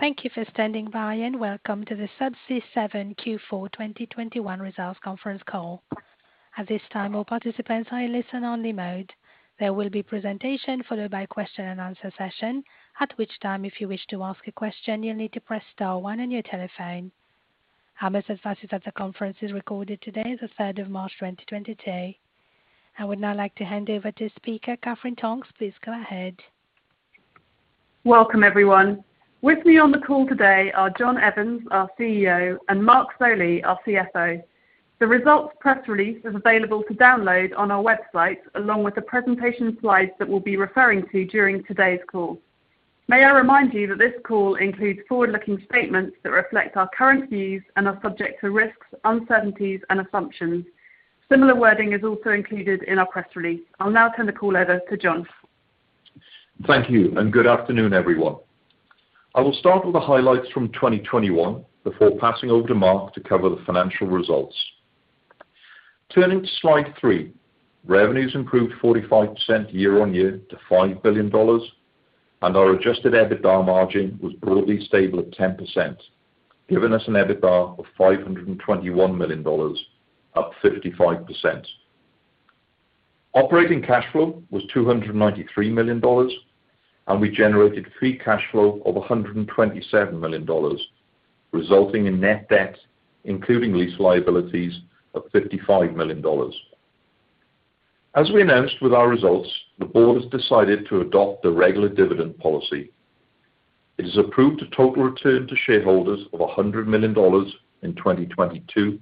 Thank you for standing by, and welcome to the Subsea 7 Q4 2021 Results Conference Call. At this time, all participants are in listen-only mode. There will be a presentation followed by question and answer session, at which time if you wish to ask a question, you'll need to press star one on your telephone. I must advise you that the conference is recorded today, the 3rd of March 2022. I would now like to hand over to speaker Katherine Tonks. Please go ahead. Welcome, everyone. With me on the call today are John Evans, our CEO, and Mark Foley, our CFO. The results press release is available to download on our website, along with the presentation slides that we'll be referring to during today's call. May I remind you that this call includes forward-looking statements that reflect our current views and are subject to risks, uncertainties and assumptions. Similar wording is also included in our press release. I'll now turn the call over to John. Thank you and good afternoon, everyone. I will start with the highlights from 2021 before passing over to Mark to cover the financial results. Turning to slide three. Revenues improved 45% year-on-year to $5 billion, and our adjusted EBITDA margin was broadly stable at 10%, giving us an EBITDA of $521 million, up 55%. Operating cash flow was $293 million, and we generated free cash flow of $127 million, resulting in net debt including lease liabilities of $55 million. As we announced with our results, the board has decided to adopt the regular dividend policy. It has approved a total return to shareholders of $100 million in 2022,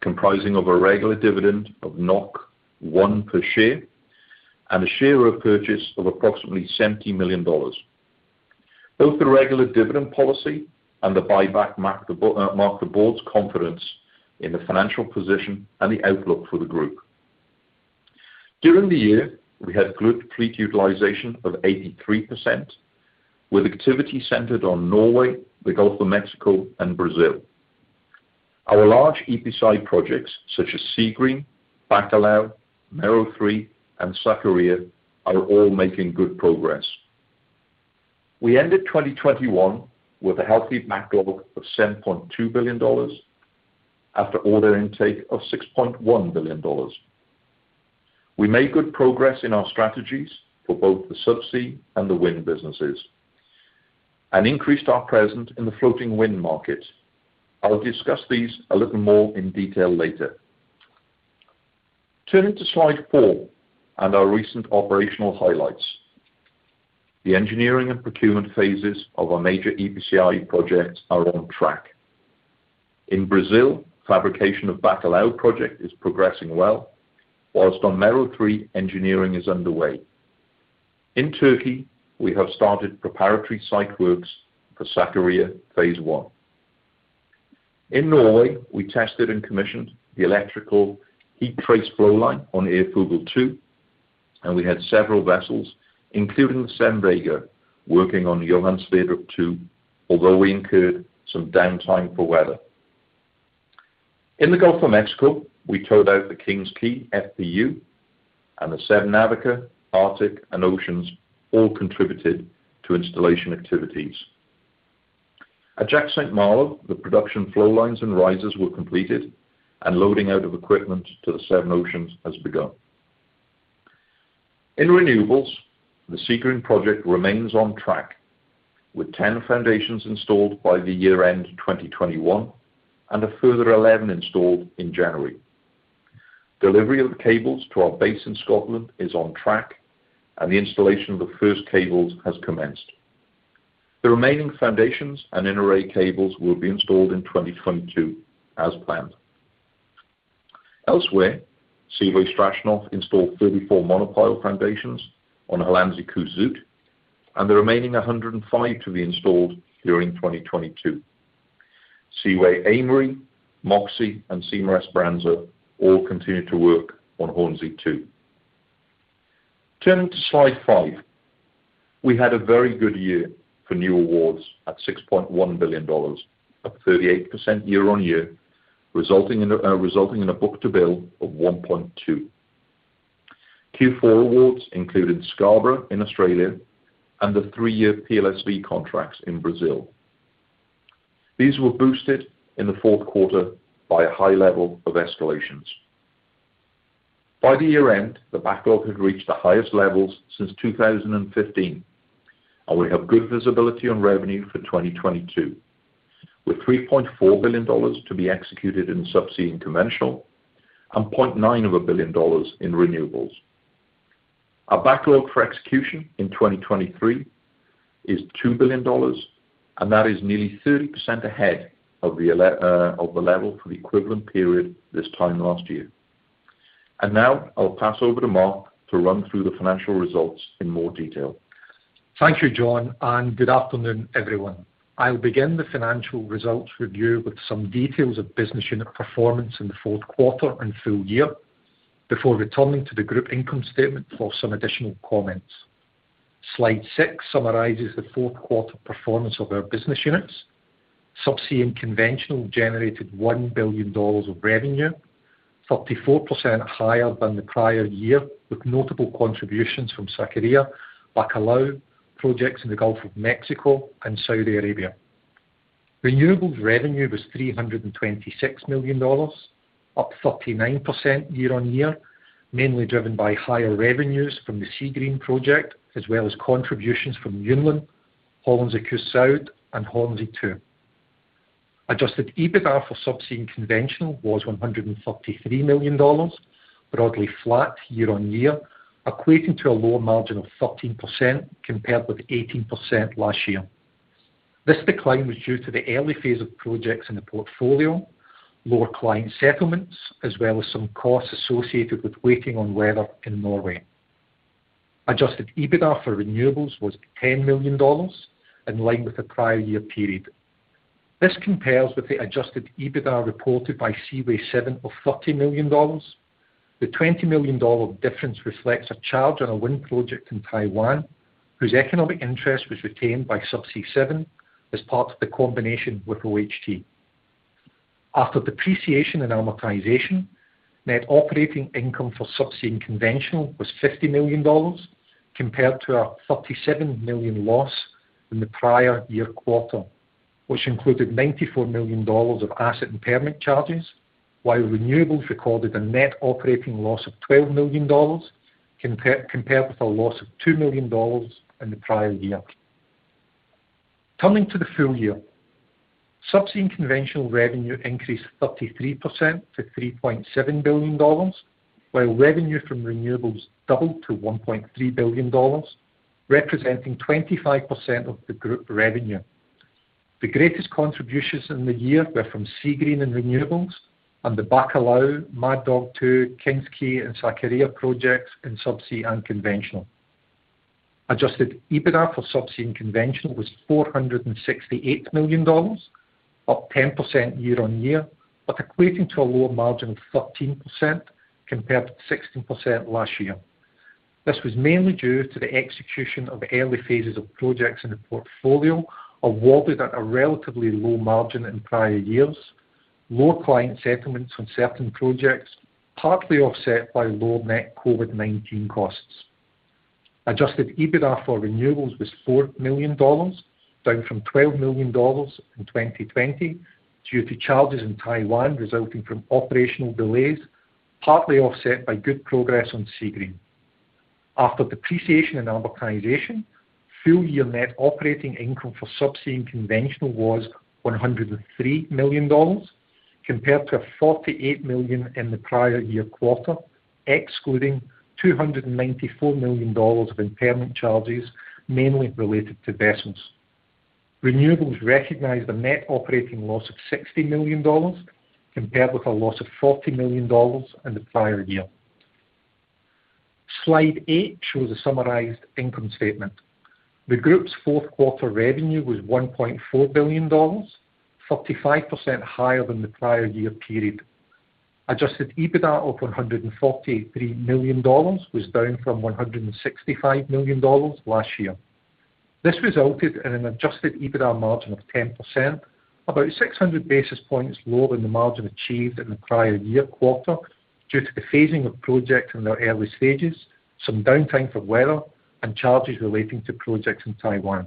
comprising of a regular dividend of 1 per share and a share repurchase of approximately $70 million. Both the regular dividend policy and the buyback mark the board's confidence in the financial position and the outlook for the group. During the year, we had good fleet utilization of 83%, with activity centered on Norway, the Gulf of Mexico and Brazil. Our large EPCI projects such as Seagreen, Bacalhau, Mero-3, and Sakarya are all making good progress. We ended 2021 with a healthy backlog of $7.2 billion after order intake of $6.1 billion. We made good progress in our strategies for both the subsea and the wind businesses and increased our presence in the floating wind market. I'll discuss these a little more in detail later. Turning to slide four and our recent operational highlights. The engineering and procurement phases of our major EPCI projects are on track. In Brazil, fabrication of Bacalhau project is progressing well, while on Mero-3, engineering is underway. In Turkey, we have started preparatory site works for Sakarya phase I. In Norway, we tested and commissioned the electrical heat trace flowline on Aasta Hansteen, and we had several vessels, including the Seven Vega, working on Johan Sverdrup 2, although we incurred some downtime for weather. In the Gulf of Mexico, we towed out the King's Quay FPU and the Seven Navica, Seven Arctic, and Seven Oceans all contributed to installation activities. At Jack/St. Malo, the production flow lines and risers were completed and loading out of equipment to the Seven Oceans has begun. In renewables, the Seagreen project remains on track, with 10 foundations installed by year-end 2021 and a further 11 installed in January. Delivery of cables to our base in Scotland is on track and the installation of the first cables has commenced. The remaining foundations and inner array cables will be installed in 2022 as planned. Elsewhere, Seaway Strashnov installed 34 monopile foundations on Hollandse Kust Zuid, and the remaining 105 to be installed during 2022. Seaway Aimery, Seaway Moxie, and Simar Esperança all continue to work on Hornsea 2. Turning to slide five. We had a very good year for new awards at $6.1 billion, up 38% year-over-year, resulting in a book-to-bill of 1.2. Q4 awards included Scarborough in Australia and the three-year PLSV contracts in Brazil. These were boosted in the fourth quarter by a high level of escalations. By year-end, the backlog had reached the highest levels since 2015, and we have good visibility on revenue for 2022, with $3.4 billion to be executed in Subsea and Conventional and $0.9 billion in Renewables. Our backlog for execution in 2023 is $2 billion, and that is nearly 30% ahead of the level for the equivalent period this time last year. Now I'll pass over to Mark to run through the financial results in more detail. Thank you, John, and good afternoon, everyone. I'll begin the financial results review with some details of business unit performance in the fourth quarter and full year before returning to the group income statement for some additional comments. Slide six summarizes the fourth quarter performance of our business units. Subsea and Conventional generated $1 billion of revenue, 34% higher than the prior year, with notable contributions from Sakarya, Bacalhau, projects in the Gulf of Mexico and Saudi Arabia. Renewables revenue was $326 million, up 39% year-on-year, mainly driven by higher revenues from the Seagreen project as well as contributions from Yunlin, Hollandse Kust Zuid, and Hornsea 2. Adjusted EBITDA for Subsea and Conventional was $133 million, broadly flat year-on-year, equating to a lower margin of 13% compared with 18% last year. This decline was due to the early phase of projects in the portfolio, lower client settlements, as well as some costs associated with waiting on weather in Norway. Adjusted EBITDA for Renewables was $10 million in line with the prior year period. This compares with the adjusted EBITDA reported by Seaway 7 of $30 million. The $20 million difference reflects a charge on a wind project in Taiwan whose economic interest was retained by Subsea 7 as part of the combination with OHT. After depreciation and amortization, net operating income for Subsea and Conventional was $50 million compared to a $37 million loss in the prior year quarter, which included $94 million of asset impairment charges, while Renewables recorded a net operating loss of $12 million compared with a loss of $2 million in the prior year. Turning to the full year, Subsea and Conventional revenue increased 33% to $3.7 billion, while revenue from Renewables doubled to $1.3 billion, representing 25% of the group revenue. The greatest contributions in the year were from Seagreen in Renewables and the Bacalhau, Mad Dog 2, King's Quay, and Sakarya projects in Subsea and Conventional. Adjusted EBITDA for Subsea and Conventional was $468 million, up 10% year-on-year, but equating to a lower margin of 13% compared to 16% last year. This was mainly due to the execution of early phases of projects in the portfolio, awarded at a relatively low margin in prior years, lower client settlements on certain projects, partly offset by lower net COVID-19 costs. Adjusted EBITDA for Renewables was $4 million, down from $12 million in 2020 due to charges in Taiwan resulting from operational delays, partly offset by good progress on Seagreen. After depreciation and amortization, full-year net operating income for Subsea and Conventional was $103 million compared to $48 million in the prior-year quarter, excluding $294 million of impairment charges mainly related to vessels. Renewables recognized a net operating loss of $60 million, compared with a loss of $40 million in the prior year. Slide eight shows a summarized income statement. The group's fourth quarter revenue was $1.4 billion, 35% higher than the prior-year period. Adjusted EBITDA of $143 million was down from $165 million last year. This resulted in an adjusted EBITDA margin of 10%, about 600 basis points lower than the margin achieved in the prior year quarter due to the phasing of projects in their early stages, some downtime for weather, and charges relating to projects in Taiwan.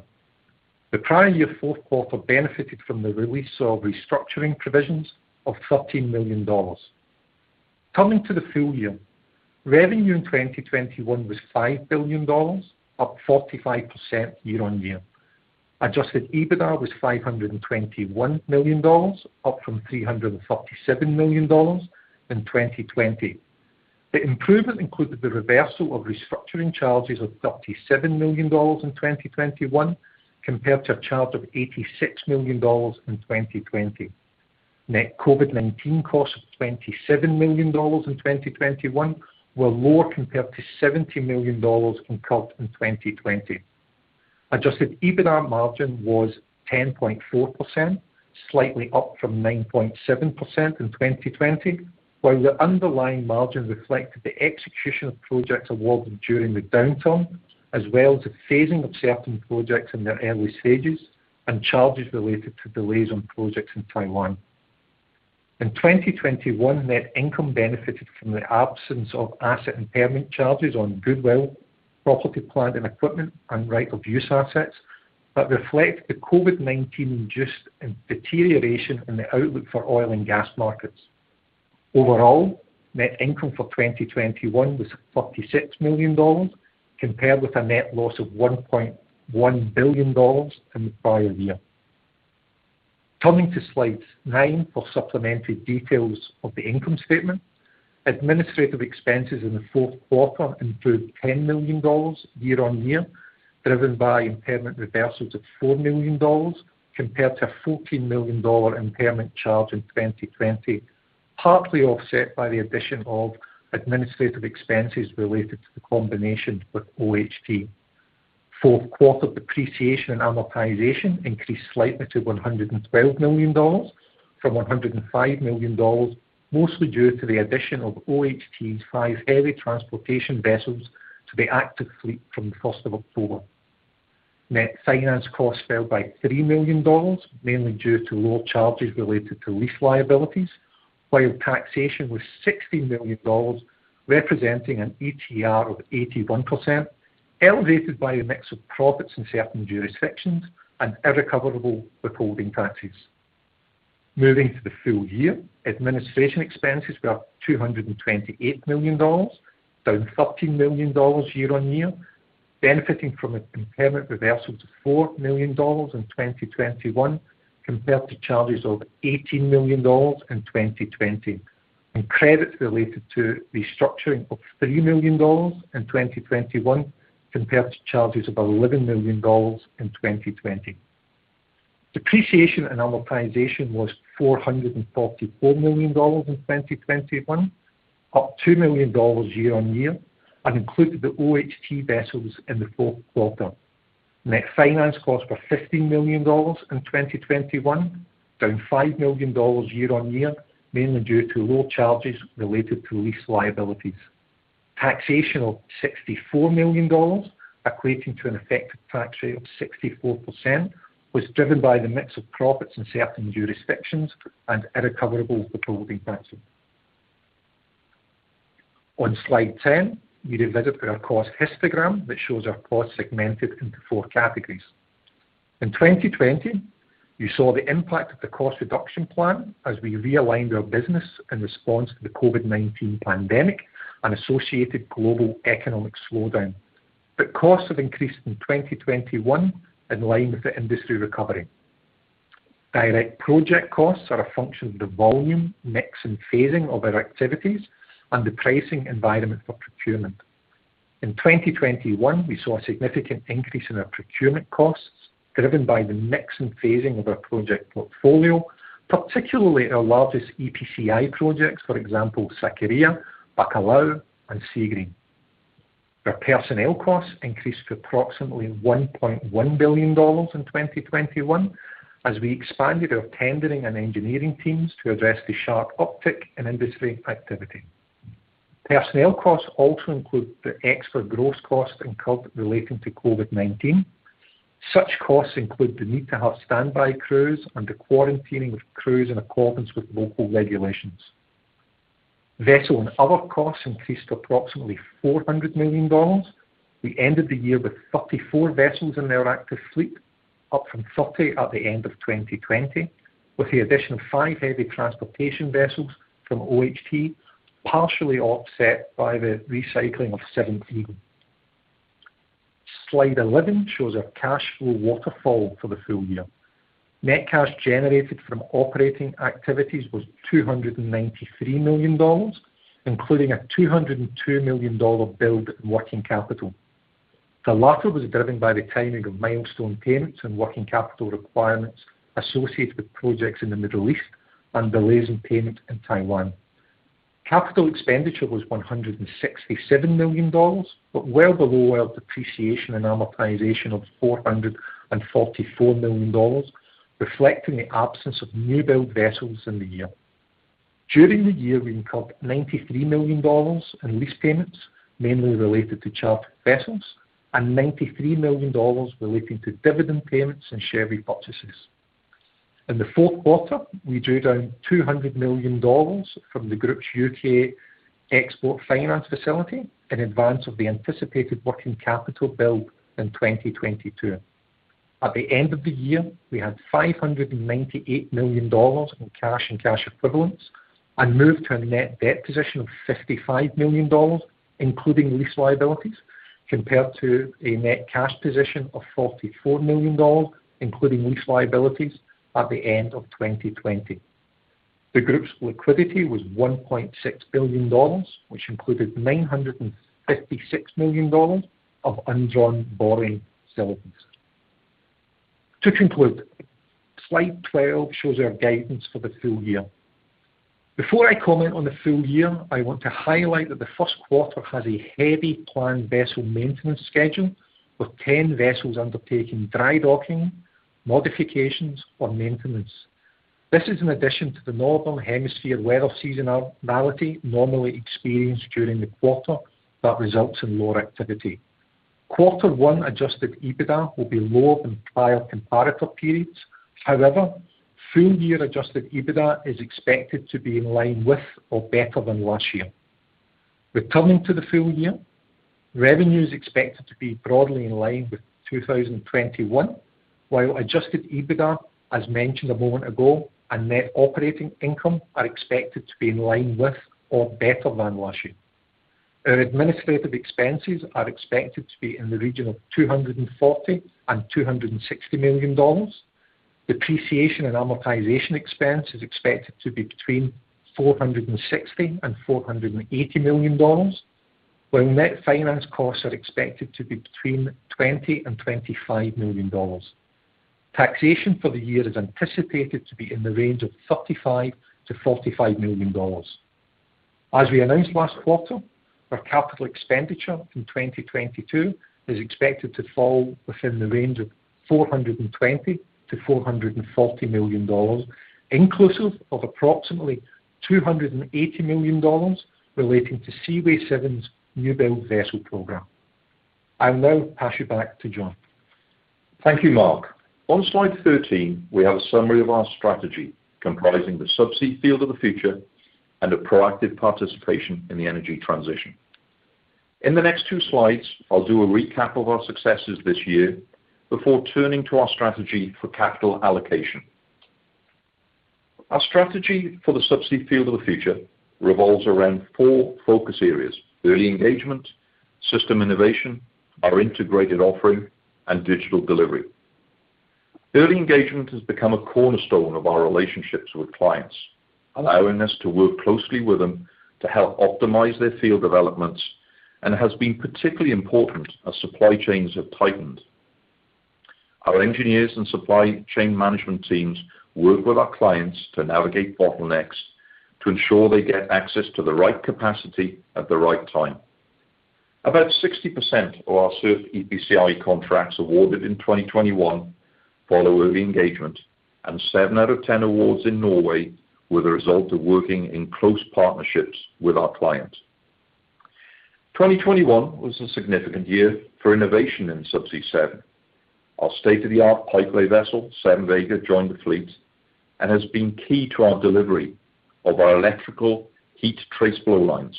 The prior year fourth quarter benefited from the release of restructuring provisions of $13 million. Coming to the full year, revenue in 2021 was $5 billion, up 45% year-on-year. Adjusted EBITDA was $521 million, up from $337 million in 2020. The improvement included the reversal of restructuring charges of $37 million in 2021 compared to a charge of $86 million in 2020. Net COVID-19 costs of $27 million in 2021 were lower compared to $70 million incurred in 2020. Adjusted EBITDA margin was 10.4%, slightly up from 9.7% in 2020, while the underlying margin reflected the execution of projects awarded during the downturn, as well as the phasing of certain projects in their early stages and charges related to delays on projects in Taiwan. In 2021, net income benefited from the absence of asset impairment charges on goodwill, property, plant and equipment, and right of use assets that reflect the COVID-19-induced deterioration in the outlook for oil and gas markets. Overall, net income for 2021 was $46 million, compared with a net loss of $1.1 billion in the prior year. Turning to slide nine for supplementary details of the income statement. Administrative expenses in the fourth quarter improved $10 million year-on-year, driven by impairment reversals of $4 million compared to a $14 million impairment charge in 2020, partly offset by the addition of administrative expenses related to the combination with OHT. Fourth quarter depreciation and amortization increased slightly to $112 million from $105 million, mostly due to the addition of OHT's 5 heavy transportation vessels to the active fleet from the first of October. Net finance costs fell by $3 million, mainly due to lower charges related to lease liabilities, while taxation was $60 million, representing an ETR of 81%, elevated by a mix of profits in certain jurisdictions and irrecoverable withholding taxes. Moving to the full year, administration expenses were $228 million, down $13 million year-over-year, benefiting from an impairment reversal to $4 million in 2021 compared to charges of $18 million in 2020, and credits related to restructuring of $3 million in 2021 compared to charges of $11 million in 2020. Depreciation and amortization was $444 million in 2021, up $2 million year-over-year, and included the OHT vessels in the fourth quarter. Net finance costs were $15 million in 2021, down $5 million year-over-year, mainly due to lower charges related to lease liabilities. Taxation of $64 million, equating to an effective tax rate of 64%, was driven by the mix of profits in certain jurisdictions and irrecoverable withholding taxes. On slide 10, we revisit our cost histogram that shows our costs segmented into four categories. In 2020, you saw the impact of the cost reduction plan as we realigned our business in response to the COVID-19 pandemic and associated global economic slowdown. Costs have increased in 2021 in line with the industry recovery. Direct project costs are a function of the volume, mix and phasing of our activities and the pricing environment for procurement. In 2021, we saw a significant increase in our procurement costs, driven by the mix and phasing of our project portfolio, particularly our largest EPCI projects, for example, Sakarya, Bacalhau and Seagreen. Our personnel costs increased to approximately $1.1 billion in 2021 as we expanded our tendering and engineering teams to address the sharp uptick in industry activity. Personnel costs also include the extra gross costs incurred relating to COVID-19. Such costs include the need to have standby crews and the quarantining of crews in accordance with local regulations. Vessel and other costs increased to approximately $400 million. We ended the year with 34 vessels in our active fleet, up from 30 at the end of 2020, with the addition of 5 heavy transportation vessels from OHT, partially offset by the recycling of Seven fleet. Slide 11 shows our cash flow waterfall for the full year. Net cash generated from operating activities was $293 million, including a $202 million dollar build in working capital. The latter was driven by the timing of milestone payments and working capital requirements associated with projects in the Middle East and delays in payment in Taiwan. Capital expenditure was $167 million, but well below our depreciation and amortization of $444 million, reflecting the absence of new-build vessels in the year. During the year, we incurred $93 million in lease payments, mainly related to chartered vessels, and $93 million relating to dividend payments and share repurchases. In the fourth quarter, we drew down $200 million from the group's UK Export Finance facility in advance of the anticipated working capital build in 2022. At the end of the year, we had $598 million in cash and cash equivalents and moved to a net debt position of $55 million, including lease liabilities, compared to a net cash position of $44 million, including lease liabilities, at the end of 2020. The group's liquidity was $1.6 billion, which included $956 million of undrawn borrowing facilities. To conclude, slide 12 shows our guidance for the full year. Before I comment on the full year, I want to highlight that the first quarter has a heavy planned vessel maintenance schedule, with 10 vessels undertaking dry docking, modifications or maintenance. This is in addition to the northern hemisphere weather seasonality normally experienced during the quarter that results in lower activity. Quarter 1 adjusted EBITDA will be lower than prior comparator periods. However, full year adjusted EBITDA is expected to be in line with or better than last year. Returning to the full year, revenue is expected to be broadly in line with 2021, while adjusted EBITDA, as mentioned a moment ago, and net operating income are expected to be in line with or better than last year. Our administrative expenses are expected to be in the region of $240 million-$260 million. Depreciation and amortization expense is expected to be between $460 million-$480 million, while net finance costs are expected to be between $20 million-$25 million. Taxation for the year is anticipated to be in the range of $35 million-$45 million. As we announced last quarter, our capital expenditure in 2022 is expected to fall within the range of $420 million-$440 million, inclusive of approximately $280 million relating to Seaway7's new build vessel program. I'll now pass you back to John. Thank you, Mark. On slide 13, we have a summary of our strategy comprising the subsea field of the future and a proactive participation in the energy transition. In the next two slides, I'll do a recap of our successes this year before turning to our strategy for capital allocation. Our strategy for the subsea field of the future revolves around four focus areas, early engagement, system innovation, our integrated offering, and digital delivery. Early engagement has become a cornerstone of our relationships with clients, allowing us to work closely with them to help optimize their field developments and has been particularly important as supply chains have tightened. Our engineers and supply chain management teams work with our clients to navigate bottlenecks to ensure they get access to the right capacity at the right time. About 60% of our SURF EPCI contracts awarded in 2021 follow early engagement, and seven out of 10 awards in Norway were the result of working in close partnerships with our clients. 2021 was a significant year for innovation in Subsea 7. Our state-of-the-art pipelay vessel, Seven Vega, joined the fleet and has been key to our delivery of our electrical heat trace flow lines.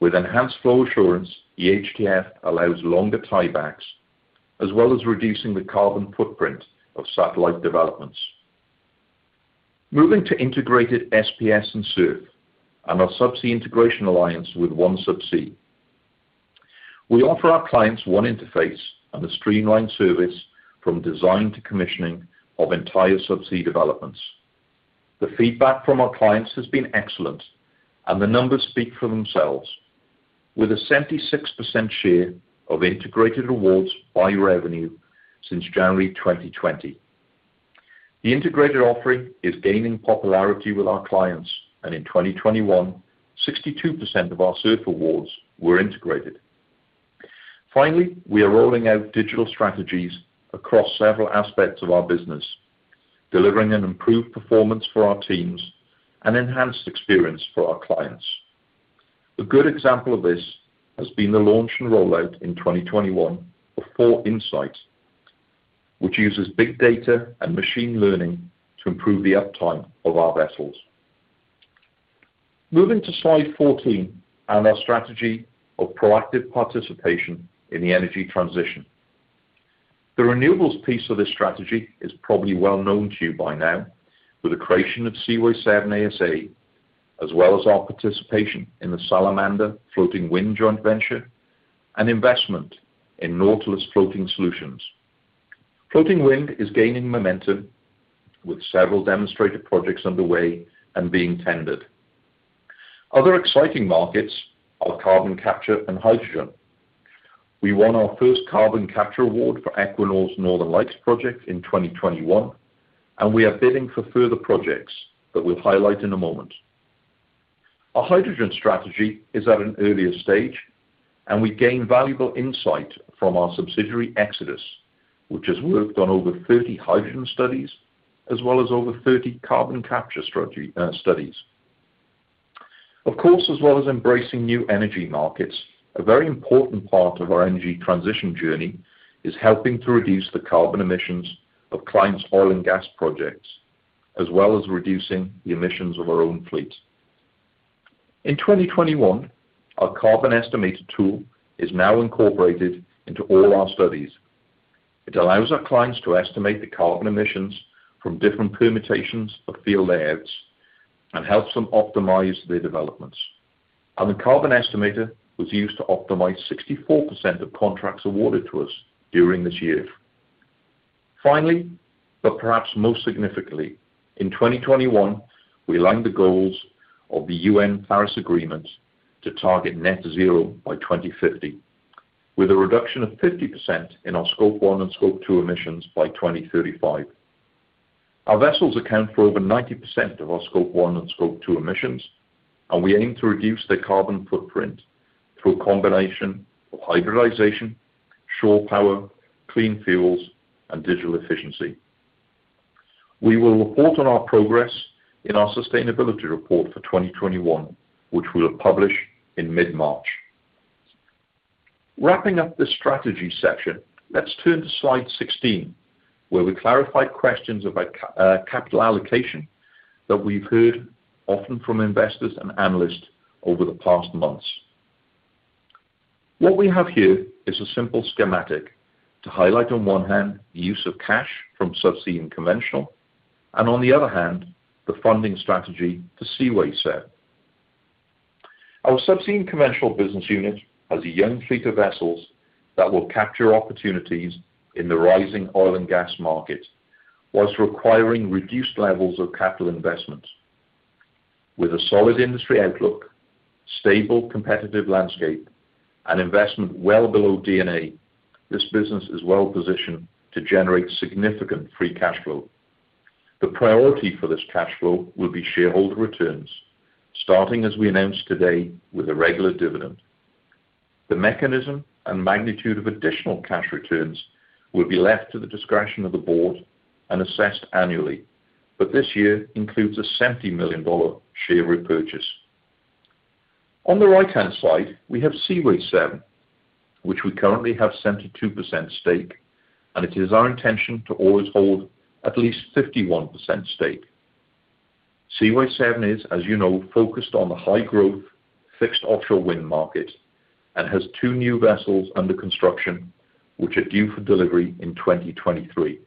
With enhanced flow assurance, EHTF allows longer tiebacks as well as reducing the carbon footprint of satellite developments. Moving to integrated SPS and SURF and our subsea integration alliance with OneSubsea, we offer our clients one interface and a streamlined service from design to commissioning of entire subsea developments. The feedback from our clients has been excellent, and the numbers speak for themselves, with a 76% share of integrated awards by revenue since January 2020. The integrated offering is gaining popularity with our clients, and in 2021, 62% of our SURF awards were integrated. Finally, we are rolling out digital strategies across several aspects of our business, delivering an improved performance for our teams and enhanced experience for our clients. A good example of this has been the launch and rollout in 2021 of 4insight, which uses big data and machine learning to improve the uptime of our vessels. Moving to slide 14 and our strategy of proactive participation in the energy transition. The renewables piece of this strategy is probably well known to you by now with the creation of Seaway7 ASA, as well as our participation in the Salamander Floating Wind joint venture and investment in Nautilus Floating Solutions. Floating wind is gaining momentum with several demonstrator projects underway and being tendered. Other exciting markets are carbon capture and hydrogen. We won our first carbon capture award for Equinor's Northern Lights project in 2021, and we are bidding for further projects that we'll highlight in a moment. Our hydrogen strategy is at an earlier stage and we gain valuable insight from our subsidiary Xodus, which has worked on over 30 hydrogen studies as well as over 30 carbon capture strategy studies. Of course, as well as embracing new energy markets, a very important part of our energy transition journey is helping to reduce the carbon emissions of clients' oil and gas projects, as well as reducing the emissions of our own fleet. In 2021, our carbon estimator tool is now incorporated into all our studies. It allows our clients to estimate the carbon emissions from different permutations of field layouts and helps them optimize their developments. The carbon estimator was used to optimize 64% of contracts awarded to us during this year. Finally, but perhaps most significantly, in 2021, we aligned the goals of the Paris Agreement to target net zero by 2050, with a reduction of 50% in our scope one and scope two emissions by 2035. Our vessels account for over 90% of our scope one and scope two emissions, and we aim to reduce the carbon footprint through a combination of hybridization, shore power, clean fuels, and digital efficiency. We will report on our progress in our sustainability report for 2021, which we'll publish in mid-March. Wrapping up the strategy section, let's turn to slide 16, where we clarify questions about capital allocation that we've heard often from investors and analysts over the past months What we have here is a simple schematic to highlight on one hand the use of cash from Subsea and Conventional, and on the other hand, the funding strategy for Seaway 7. Our Subsea and Conventional business unit has a young fleet of vessels that will capture opportunities in the rising oil and gas market while requiring reduced levels of capital investment. With a solid industry outlook, stable competitive landscape, and investment well below D&A, this business is well-positioned to generate significant free cash flow. The priority for this cash flow will be shareholder returns, starting as we announced today with a regular dividend. The mechanism and magnitude of additional cash returns will be left to the discretion of the board and assessed annually, but this year includes a $70 million share repurchase. On the right-hand side, we have Seaway 7, which we currently have 72% stake, and it is our intention to always hold at least 51% stake. Seaway 7 is, as you know, focused on the high growth, fixed offshore wind market and has two new vessels under construction, which are due for delivery in 2023.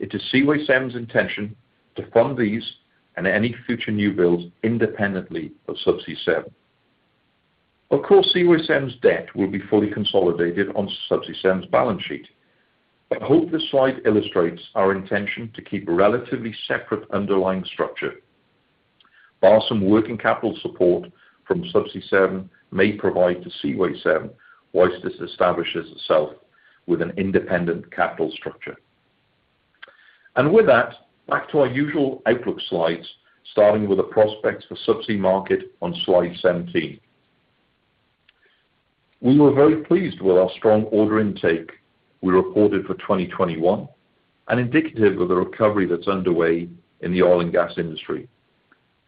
It is Seaway 7's intention to fund these and any future new builds independently of Subsea 7. Of course, Seaway 7's debt will be fully consolidated on Subsea 7's balance sheet. I hope this slide illustrates our intention to keep a relatively separate underlying structure, while some working capital support from Subsea 7 may provide to Seaway 7 whilst this establishes itself with an independent capital structure. With that, back to our usual outlook slides, starting with the prospects for subsea market on slide 17. We were very pleased with our strong order intake we reported for 2021 and indicative of the recovery that's underway in the oil and gas industry.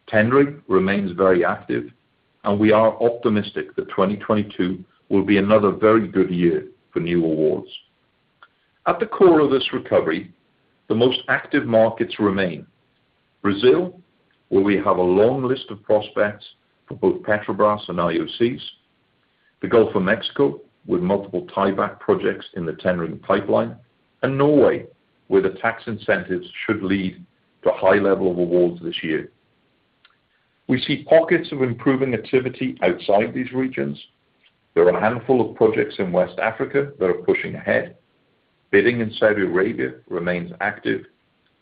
Tendering remains very active, and we are optimistic that 2022 will be another very good year for new awards. At the core of this recovery, the most active markets remain Brazil, where we have a long list of prospects for both Petrobras and IOCs, the Gulf of Mexico, with multiple tieback projects in the tendering pipeline, and Norway, where the tax incentives should lead to high level of awards this year. We see pockets of improving activity outside these regions. There are a handful of projects in West Africa that are pushing ahead. Bidding in Saudi Arabia remains active,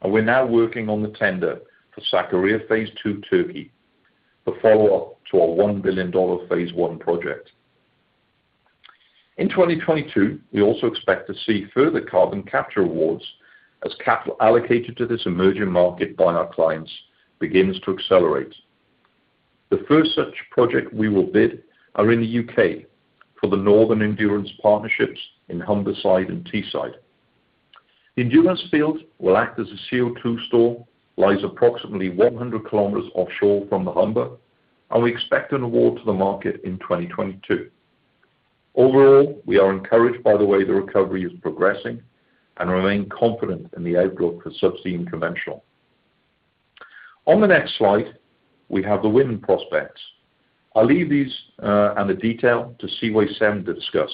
and we're now working on the tender for Sakarya phase two Turkey, the follow-up to our $1 billion phase one project. In 2022, we also expect to see further carbon capture awards as capital allocated to this emerging market by our clients begins to accelerate. The first such project we will bid are in the U.K. for the Northern Endurance Partnership in Humberside and Teesside. Endurance field will act as a CO2 store, lies approximately 100 km offshore from the Humber, and we expect an award to the market in 2022. Overall, we are encouraged by the way the recovery is progressing and remain confident in the outlook for Subsea and Conventional. On the next slide, we have the wind prospects. I'll leave these, and the detail to Seaway 7 to discuss,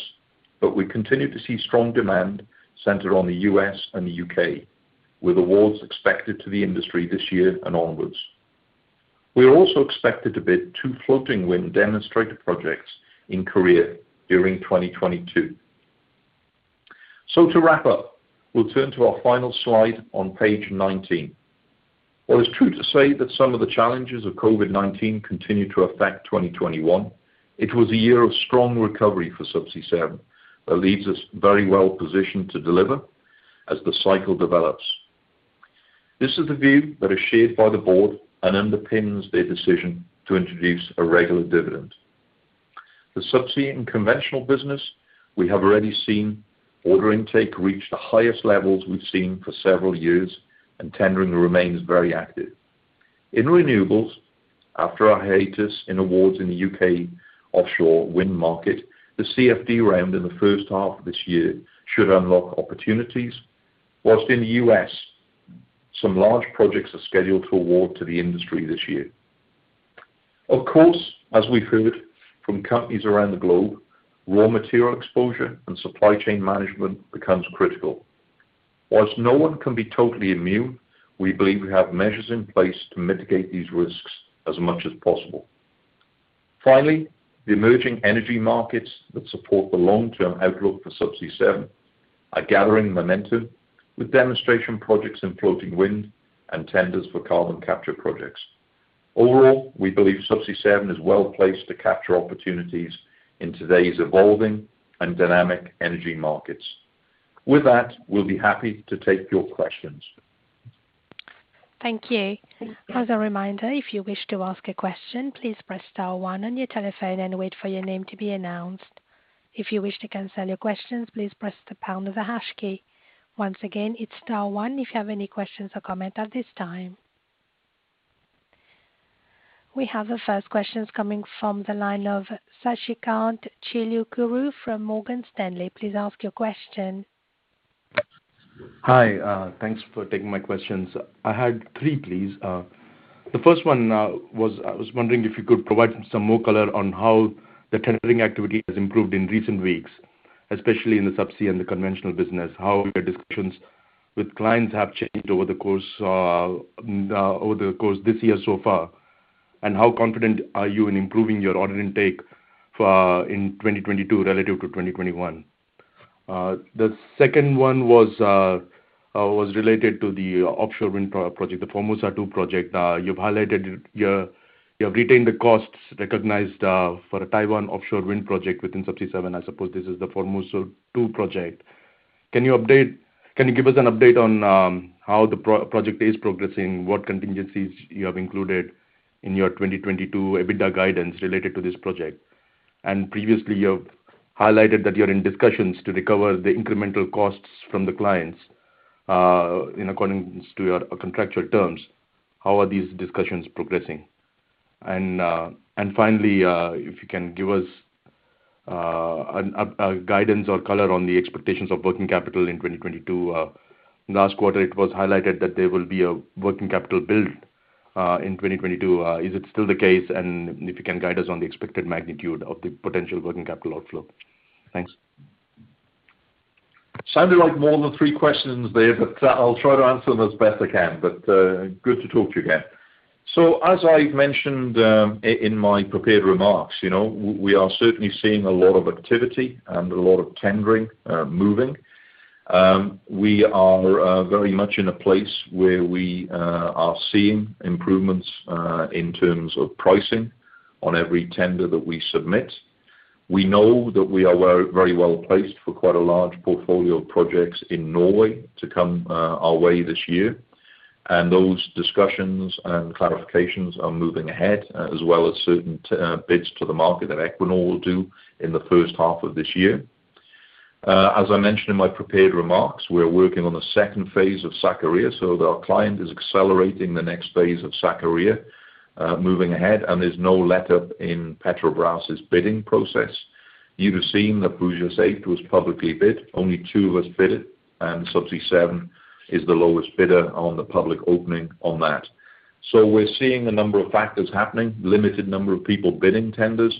but we continue to see strong demand centered on the U.S. and the U.K., with awards expected to the industry this year and onwards. We are also expected to bid two floating wind demonstrator projects in Korea during 2022. To wrap up, we'll turn to our final slide on page 19. While it's true to say that some of the challenges of COVID-19 continue to affect 2021, it was a year of strong recovery for Subsea 7 that leaves us very well positioned to deliver as the cycle develops. This is the view that is shared by the board and underpins their decision to introduce a regular dividend. The Subsea and Conventional business, we have already seen order intake reach the highest levels we've seen for several years, and tendering remains very active. In Renewables, after our hiatus in awards in the U.K. offshore wind market, the CFD round in the first half of this year should unlock opportunities. While in the U.S., some large projects are scheduled to award to the industry this year. Of course, as we've heard from companies around the globe, raw material exposure and supply chain management becomes critical. While no one can be totally immune, we believe we have measures in place to mitigate these risks as much as possible. Finally, the emerging energy markets that support the long-term outlook for Subsea 7 are gathering momentum with demonstration projects in floating wind and tenders for carbon capture projects. Overall, we believe Subsea 7 is well placed to capture opportunities in today's evolving and dynamic energy markets. With that, we'll be happy to take your questions. Thank you. As a reminder, if you wish to ask a question, please press star one on your telephone and wait for your name to be announced. If you wish to cancel your questions, please press the pound or the hash key. Once again, it's star one if you have any questions or comment at this time. We have the first questions coming from the line of Sasikanth Chilukuru from Morgan Stanley. Please ask your question. Hi. Thanks for taking my questions. I had three, please. The first one was I was wondering if you could provide some more color on how the tendering activity has improved in recent weeks, especially in the Subsea and Conventional business. How your discussions with clients have changed over the course this year so far, and how confident are you in improving your order intake for, in 2022 relative to 2021? The second one was related to the offshore wind project, the Formosa 2 project. You've highlighted. You have retained the costs recognized for a Taiwan offshore wind project within Subsea 7. I suppose this is the Formosa 2 project. Can you give us an update on how the project is progressing? What contingencies have you included in your 2022 EBITDA guidance related to this project? Previously, you have highlighted that you're in discussions to recover the incremental costs from the clients in accordance to your contractual terms. How are these discussions progressing? Finally, if you can give us a guidance or color on the expectations of working capital in 2022. Last quarter, it was highlighted that there will be a working capital build in 2022. Is it still the case? If you can guide us on the expected magnitude of the potential working capital outflow. Thanks. Sounded like more than three questions there, but I'll try to answer them as best I can. Good to talk to you again. As I mentioned, in my prepared remarks, you know, we are certainly seeing a lot of activity and a lot of tendering moving. We are very much in a place where we are seeing improvements in terms of pricing on every tender that we submit. We know that we are very well-placed for quite a large portfolio of projects in Norway to come our way this year. Those discussions and clarifications are moving ahead, as well as certain bids to the market that Equinor will do in the first half of this year. As I mentioned in my prepared remarks, we're working on the second phase of Sakarya, so our client is accelerating the next phase of Sakarya, moving ahead, and there's no letup in Petrobras' bidding process. You have seen that Búzios 8 was publicly bid. Only two of us bid, and Subsea 7 is the lowest bidder on the public opening on that. We're seeing a number of factors happening, limited number of people bidding tenders,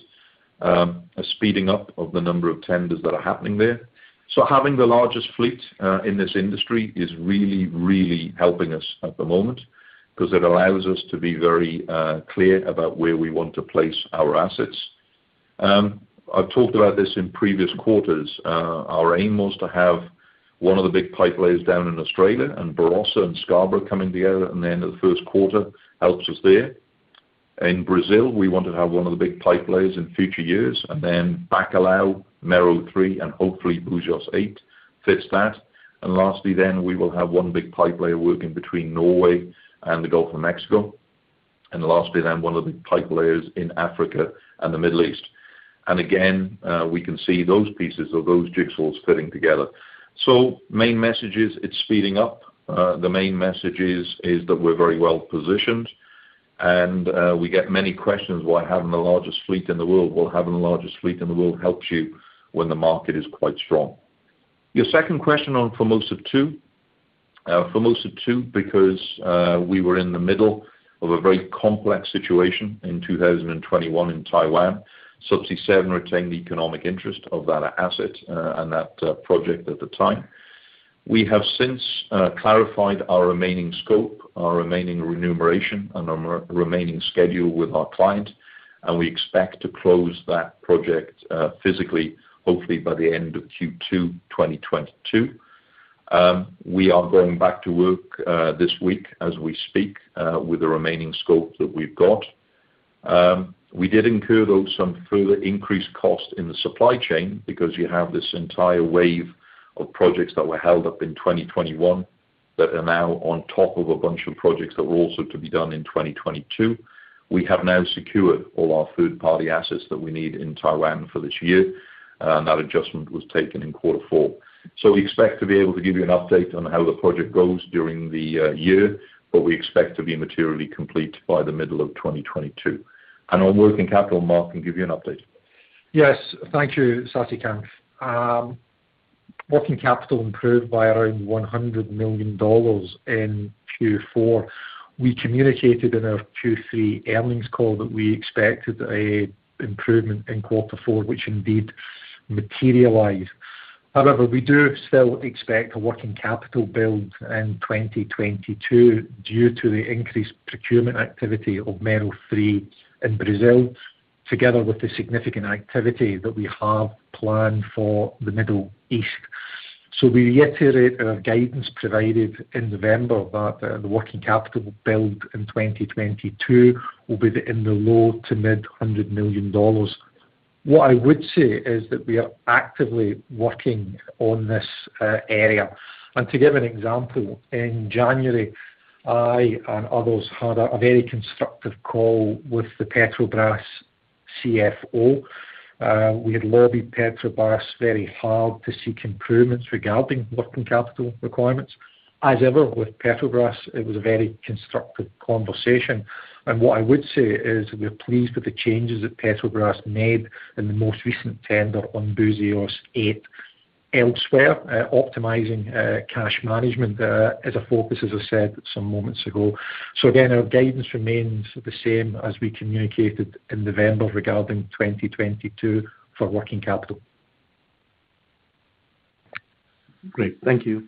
a speeding up of the number of tenders that are happening there. Having the largest fleet in this industry is really, really helping us at the moment because it allows us to be very clear about where we want to place our assets. I've talked about this in previous quarters. Our aim was to have one of the big pipe layers down in Australia and Barossa and Scarborough coming together at the end of the first quarter. [That] helps us there. In Brazil, we want to have one of the big pipe layers in future years, and then Bacalhau, Mero 3, and hopefully Búzios 8 fits that. Lastly, we will have one big pipe layer working between Norway and the Gulf of Mexico. Lastly, one of the pipe layers in Africa and the Middle East. Again, we can see those pieces of those jigsaws fitting together. Main message is it's speeding up. The main message is that we're very well-positioned, and we get many questions why having the largest fleet in the world. Well, having the largest fleet in the world helps you when the market is quite strong. Your second question on Formosa 2. Formosa 2, because we were in the middle of a very complex situation in 2021 in Taiwan, Subsea 7 retained the economic interest of that asset and that project at the time. We have since clarified our remaining scope, our remaining remuneration, and our remaining schedule with our client, and we expect to close that project physically, hopefully by the end of Q2 2022. We are going back to work this week as we speak with the remaining scope that we've got. We did incur, though, some further increased cost in the supply chain because you have this entire wave of projects that were held up in 2021 that are now on top of a bunch of projects that were also to be done in 2022. We have now secured all our third-party assets that we need in Taiwan for this year. That adjustment was taken in quarter four. We expect to be able to give you an update on how the project goes during the year, but we expect to be materially complete by the middle of 2022. On working capital, Mark can give you an update. Yes. Thank you, Sasikanth. Working capital improved by around $100 million in Q4. We communicated in our Q3 earnings call that we expected a improvement in quarter four, which indeed materialized. However, we do still expect a working capital build in 2022 due to the increased procurement activity of Mero 3 in Brazil, together with the significant activity that we have planned for the Middle East. We reiterate our guidance provided in November that the working capital build in 2022 will be in the low- to mid-$100 million. What I would say is that we are actively working on this area. To give an example, in January, I and others had a very constructive call with Rodrigo Araujo. We had lobbied Petrobras very hard to seek improvements regarding working capital requirements. As ever with Petrobras, it was a very constructive conversation. What I would say is we're pleased with the changes that Petrobras made in the most recent tender on Búzios 8. Elsewhere, optimizing cash management is a focus, as I said some moments ago. Again, our guidance remains the same as we communicated in November regarding 2022 for working capital. Great. Thank you.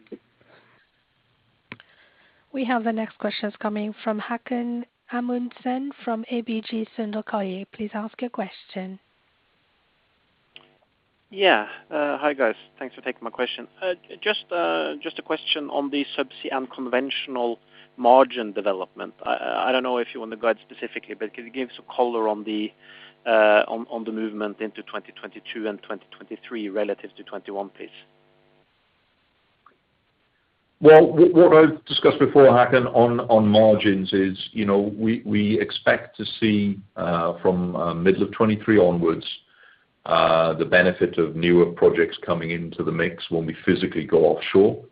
We have the next questions coming from Haakon Amundsen from ABG Sundal Collier. Please ask your question. Yeah. Hi, guys. Thanks for taking my question. Just a question on the Subsea and Conventional margin development. I don't know if you want to guide specifically, but can you give some color on the movement into 2022 and 2023 relative to 2021, please? Well, what I've discussed before, Haakon, on margins is, you know, we expect to see from middle of 2023 onwards the benefit of newer projects coming into the mix when we physically go offshore.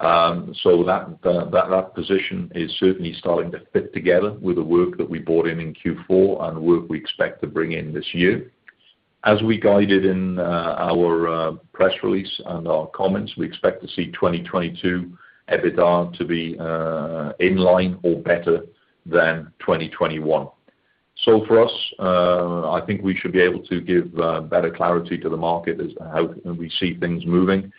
That position is certainly starting to fit together with the work that we brought in in Q4 and work we expect to bring in this year. As we guided in our press release and our comments, we expect to see 2022 EBITDA to be in line or better than 2021. For us, I think we should be able to give better clarity to the market as to how we see things moving.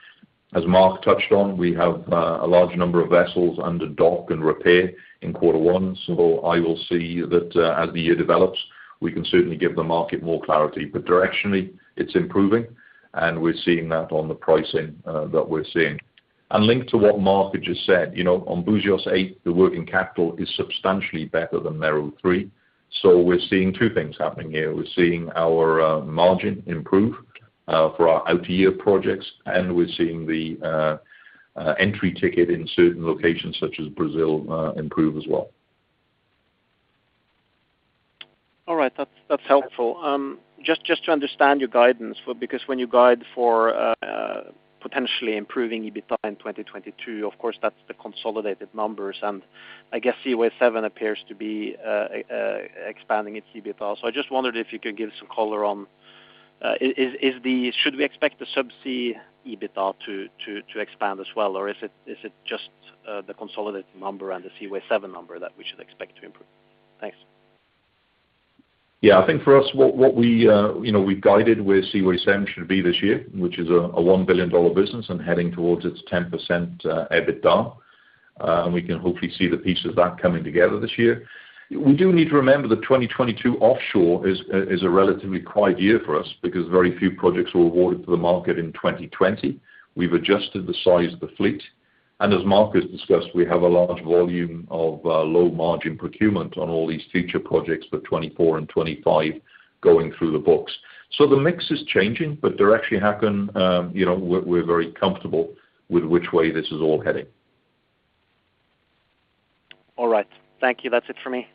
As Mark touched on, we have a large number of vessels under dock and repair in quarter one. I will see that, as the year develops, we can certainly give the market more clarity. Directionally, it's improving, and we're seeing that on the pricing that we're seeing. Linked to what Mark just said, you know, on Búzios 8, the working capital is substantially better than Mero 3. We're seeing two things happening here. We're seeing our margin improve for our outyear projects, and we're seeing the entry ticket in certain locations, such as Brazil, improve as well. All right, that's helpful. Just to understand your guidance for, because when you guide for potentially improving EBITDA in 2022, of course, that's the consolidated numbers. I guess Seaway 7 appears to be expanding its EBITDA. I just wondered if you could give some color on, should we expect the Subsea EBITDA to expand as well? Or is it just the consolidated number and the Seaway 7 number that we should expect to improve? Thanks. Yeah, I think for us, you know, we've guided where Seaway 7 should be this year, which is a $1 billion business and heading towards its 10% EBITDA, and we can hopefully see the pieces of that coming together this year. We do need to remember that 2022 offshore is a relatively quiet year for us because very few projects were awarded to the market in 2020. We've adjusted the size of the fleet, and as Mark has discussed, we have a large volume of low margin procurement on all these future projects for 2024 and 2025 going through the books. The mix is changing, but they're actually happening, you know, we're very comfortable with which way this is all heading. All right. Thank you. That's it for me.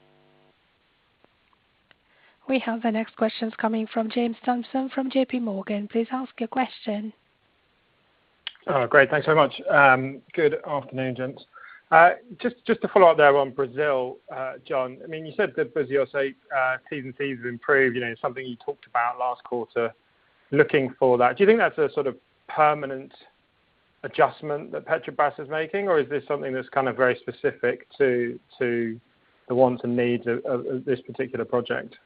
We have the next questions coming from James Thompson from JPMorgan. Please ask your question. Oh, great. Thanks so much. Good afternoon, gents. Just to follow up there on Brazil, John, I mean, you said that Búzios 8, T&Cs have improved. You know, something you talked about last quarter, looking for that. Do you think that's a sort of permanent adjustment that Petrobras is making, or is this something that's kind of very specific to the wants and needs of this particular project?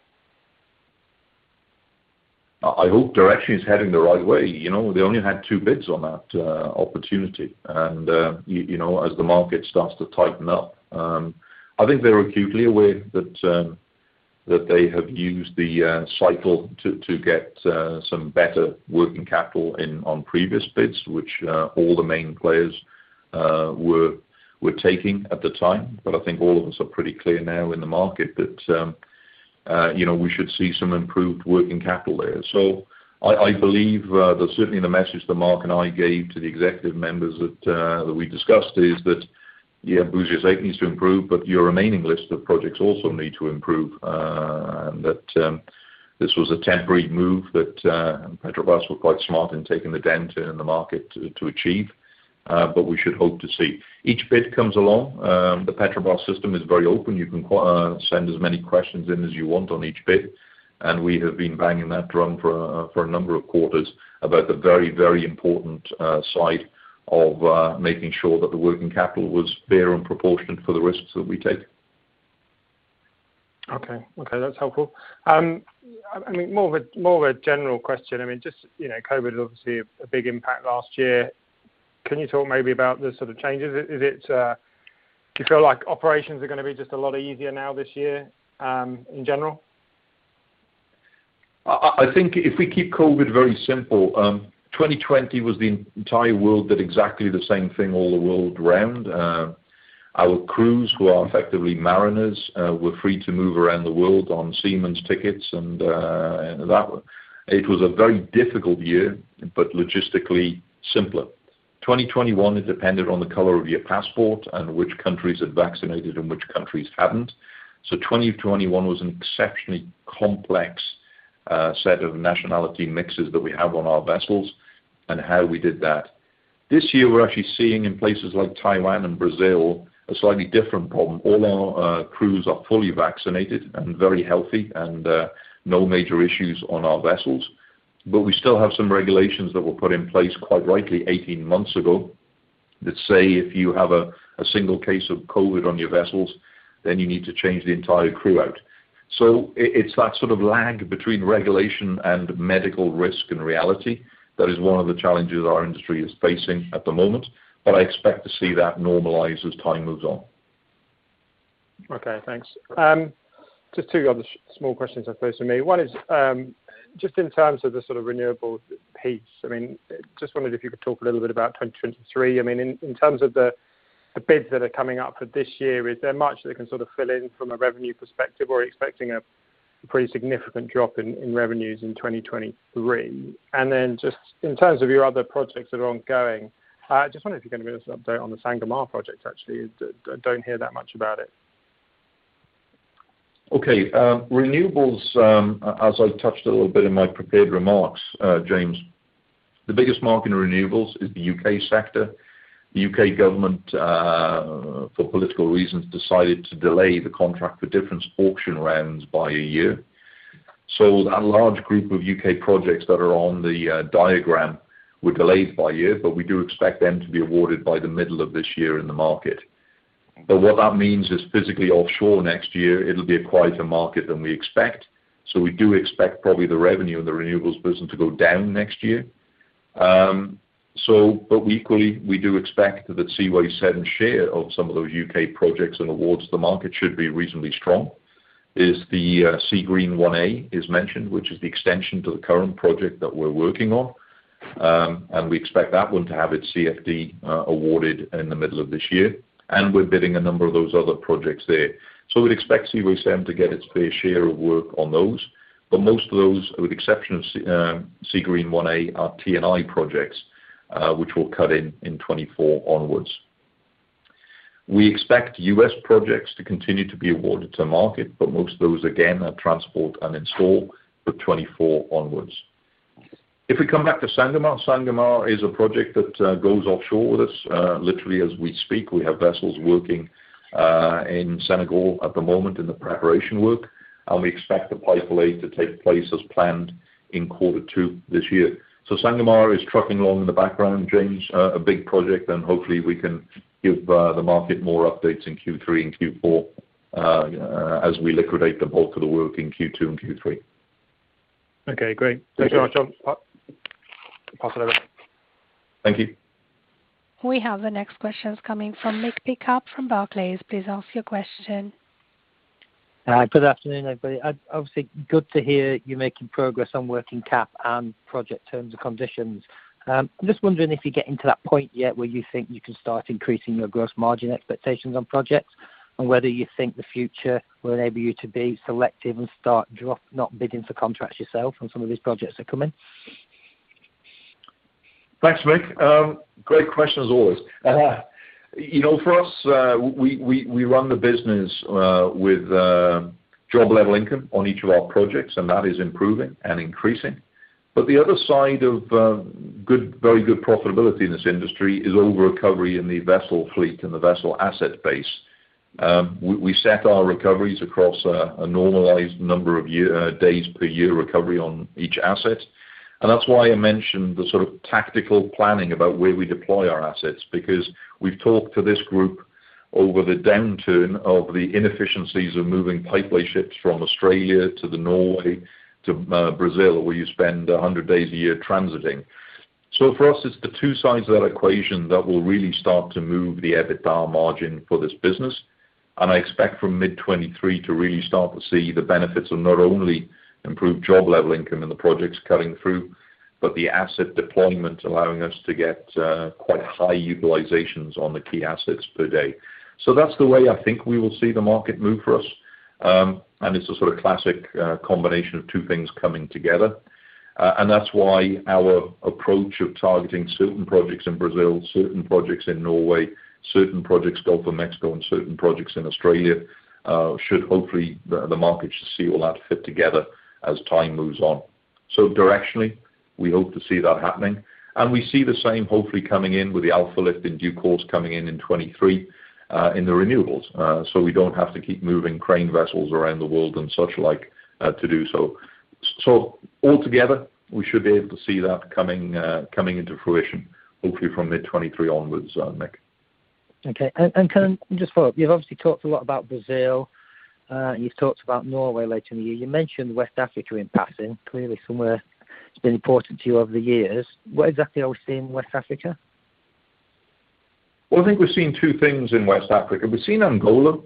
I hope direction is heading the right way. You know, they only had bids on that opportunity. You know, as the market starts to tighten up, I think they're acutely aware that they have used the cycle to get some better working capital in on previous bids, which all the main players were taking at the time. I think all of us are pretty clear now in the market that you know, we should see some improved working capital there. I believe that certainly the message that Mark and I gave to the executive members that we discussed is that, yeah, Búzios 8 needs to improve, but your remaining list of projects also need to improve. This was a temporary move that Petrobras were quite smart in taking the dent in the market to achieve, but we should hope to see each bid comes along. The Petrobras system is very open. You can send as many questions in as you want on each bid, and we have been banging that drum for a number of quarters about the very, very important side of making sure that the working capital was fair and proportionate for the risks that we take. Okay. Okay, that's helpful. I mean, more of a general question. I mean, just, you know, COVID obviously a big impact last year. Can you talk maybe about the sort of changes? Is it, do you feel like operations are gonna be just a lot easier now this year, in general? I think if we keep COVID very simple, 2020 was the entire world did exactly the same thing all around the world. Our crews, who are effectively mariners, were free to move around the world on seaman's tickets and that. It was a very difficult year, but logistically simpler. 2021, it depended on the color of your passport and which countries had vaccinated and which countries hadn't. 2021 was an exceptionally complex set of nationality mixes that we have on our vessels and how we did that. This year, we're actually seeing in places like Taiwan and Brazil a slightly different problem. All our crews are fully vaccinated and very healthy and no major issues on our vessels. We still have some regulations that were put in place, quite rightly 18 months ago, that say if you have a single case of COVID on your vessels, then you need to change the entire crew out. It's that sort of lag between regulation and medical risk and reality that is one of the challenges our industry is facing at the moment, but I expect to see that normalize as time moves on. Okay, thanks. Just two other small questions I suppose to make. One is, just in terms of the sort of Renewables piece, I mean, just wondered if you could talk a little bit about 2023. I mean, in terms of the bids that are coming up for this year, is there much that can sort of fill in from a revenue perspective or are you expecting a pretty significant drop in revenues in 2023? And then just in terms of your other projects that are ongoing, just wondering if you can give us an update on the Sangomar project, actually. Don't hear that much about it. Okay. Renewables, as I touched a little bit in my prepared remarks, James, the biggest market in renewables is the U.K. sector. The U.K. government, for political reasons, decided to delay the contract for difference auction rounds by a year. A large group of U.K. projects that are on the diagram were delayed by a year, but we do expect them to be awarded by the middle of this year in the market. What that means is physically offshore next year it'll be a quieter market than we expect. We do expect probably the revenue in the Renewables business to go down next year. Equally, we do expect that Seaway 7 share of some of those U.K. projects and awards, the market should be reasonably strong. The Seagreen 1A is mentioned, which is the extension to the current project that we're working on, and we expect that one to have its CFD awarded in the middle of this year, and we're bidding a number of those other projects there. We'd expect Seaway7 to get its fair share of work on those, but most of those, with exception of Seagreen 1A, are T&I projects, which will cut in in 2024 onwards. We expect U.S. projects to continue to be awarded to market, but most of those again are transport and install for 2024 onwards. If we come back to Sangomar is a project that goes offshore with us, literally as we speak. We have vessels working in Senegal at the moment in the preparation work, and we expect the pipelay to take place as planned in quarter two this year. Sangomar is trucking along in the background, James, a big project and hopefully we can give the market more updates in Q3 and Q4, as we liquidate the bulk of the work in Q2 and Q3. Okay, great. Thank you. Thanks very much. Pass it over. Thank you. We have the next questions coming from Michael Pickup from Barclays. Please ask your question. Good afternoon, everybody. Obviously good to hear you're making progress on working cap and project terms and conditions. Just wondering if you're getting to that point yet where you think you can start increasing your gross margin expectations on projects and whether you think the future will enable you to be selective and start dropping, not bidding for contracts yourself on some of these projects that are coming. Thanks, Mick. Great question as always. You know, for us, we run the business with job level income on each of our projects, and that is improving and increasing. But the other side of good, very good profitability in this industry is over recovery in the vessel fleet and the vessel asset base. We set our recoveries across a normalized number of year days per year recovery on each asset. That's why I mentioned the sort of tactical planning about where we deploy our assets, because we've talked to this group over the downturn of the inefficiencies of moving pipelay ships from Australia to Norway to Brazil, where you spend 100 days a year transiting. For us, it's the two sides of that equation that will really start to move the EBITDA margin for this business. I expect from mid-2023 to really start to see the benefits of not only improved job level income in the projects cutting through, but the asset deployment allowing us to get quite high utilizations on the key assets per day. That's the way I think we will see the market move for us. It's a sort of classic combination of two things coming together. That's why our approach of targeting certain projects in Brazil, certain projects in Norway, certain projects in the Gulf of Mexico, and certain projects in Australia should hopefully the markets should see all that fit together as time moves on. Directionally, we hope to see that happening, and we see the same hopefully coming in with the Alfa Lift in due course coming in in 2023, in the Renewables. We don't have to keep moving crane vessels around the world and such like to do so. Altogether, we should be able to see that coming into fruition, hopefully from mid-2023 onwards, Mick. Okay. Can I just follow up? You've obviously talked a lot about Brazil. You've talked about Norway later in the year. You mentioned West Africa in passing, clearly somewhere it's been important to you over the years. What exactly are we seeing in West Africa? Well, I think we're seeing two things in West Africa. We're seeing Angola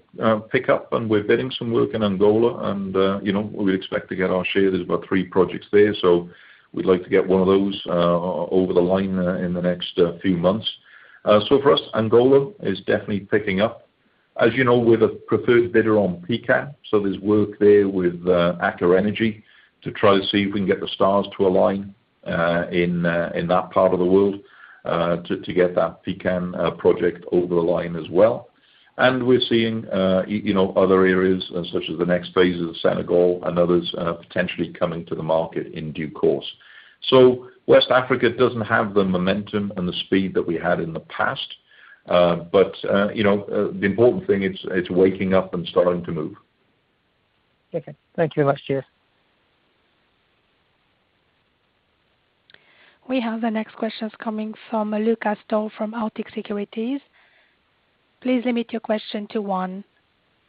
pick up and we're bidding some work in Angola and you know, we expect to get our share. There's about three projects there, so we'd like to get one of those over the line in the next few months. So for us, Angola is definitely picking up. As you know, we're the preferred bidder on Pecan, so there's work there with Aker Energy to try to see if we can get the stars to align in that part of the world to get that Pecan project over the line as well. We're seeing you know, other areas such as the next phases of Senegal and others potentially coming to the market in due course. West Africa doesn't have the momentum and the speed that we had in the past, but you know, the important thing it's waking up and starting to move. Okay. Thank you very much, James. We have the next questions coming from Lukas Daul from Arctic Securities. Please limit your question to one.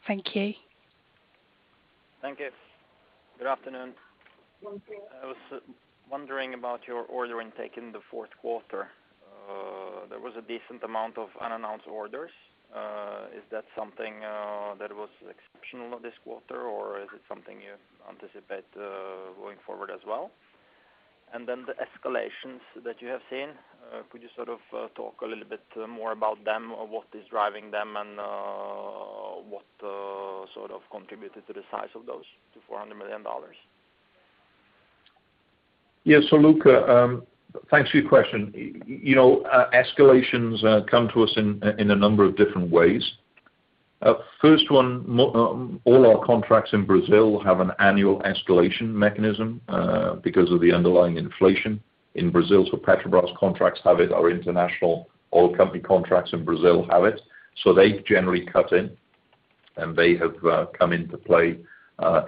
Thank you. Thank you. Good afternoon. Good afternoon. I was wondering about your order intake in the fourth quarter. There was a decent amount of unannounced orders. Is that something that was exceptional of this quarter, or is it something you anticipate going forward as well? And then the escalations that you have seen, could you sort of talk a little bit more about them or what is driving them and what sort of contributed to the size of those, the $400 million? Yeah. Lukas, thanks for your question. You know, escalations come to us in a number of different ways. First, all our contracts in Brazil have an annual escalation mechanism because of the underlying inflation in Brazil. Petrobras contracts have it, our international oil company contracts in Brazil have it. They generally cut in, and they have come into play